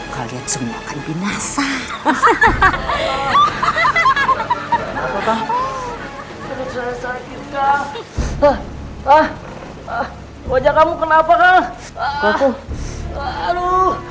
kalian semua kan binasa hahaha hahaha apa apa wajah kamu kenapa kau aku